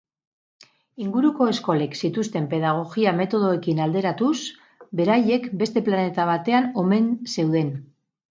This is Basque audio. Inguruko eskolek zituzten pedagogia metodoekin alderatuz, beraiek beste planeta batean omen zeuden.